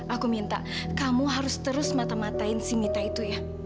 aku minta kamu harus terus mata matain si mita itu ya